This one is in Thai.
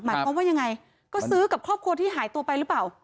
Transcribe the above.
หมายความว่ายังไงก็ซื้อกับครอบครัวที่หายตัวไปหรือเปล่า